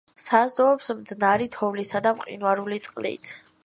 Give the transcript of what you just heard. საზრდოობს მდნარი თოვლისა და მყინვარული წყლით.